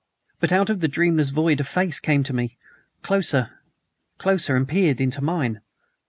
But out of the dreamless void a face came to me closer closer and peered into mine.